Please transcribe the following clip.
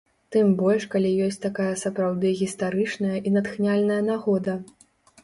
Тым больш калі ёсць такая сапраўды гістарычная і натхняльная нагода!